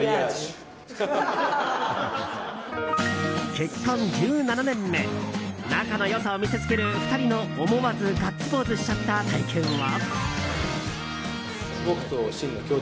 結婚１７年目仲の良さを見せつける２人の思わずガッツポーズしちゃった体験は。